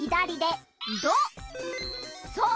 そう。